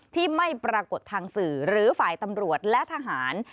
ที่ไม่ปรากฏทางสื่อหรือฝ่ายตำรวจและทหาร